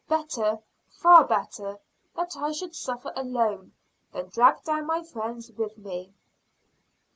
Better, far better, that I should suffer alone, than drag down my friends with me."